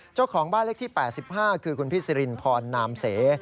เจ้าของบ้านเลขที่๘๕คือคุณพี่สิรินพรนามเส